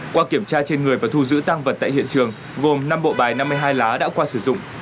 qua kiểm tra trên người và thu giữ tăng vật tại hiện trường gồm năm bộ bài năm mươi hai lá đã qua sử dụng